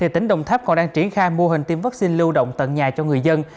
tỉnh đồng tháp còn đang triển khai mô hình tiêm vaccine lưu động tận nhà cho người dân